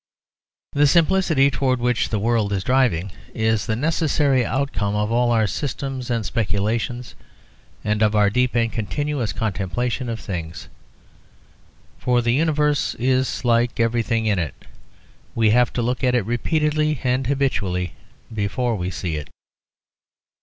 The simplicity towards which the world is driving is the necessary outcome of all our systems and speculations and of our deep and continuous contemplation of things. For the universe is like everything in it; we have to look at it repeatedly and habitually before we see it.